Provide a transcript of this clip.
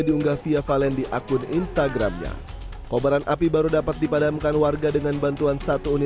diunggah fia valen di akun instagramnya kobaran api baru dapat dipadamkan warga dengan bantuan satu unit